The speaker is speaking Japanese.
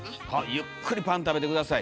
ゆっくりパン食べて下さい。